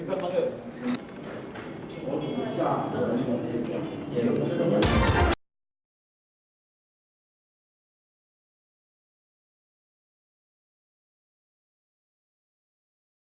di kawasan yang diperiksa oleh ketua dpr setia novanto tim kuasa hukum dan ham yasona lauli dalam penyelidikan kasus korupsi proyek pengadaan ktp elektronik